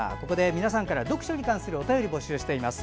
皆さんから読書に関するお便り募集しています。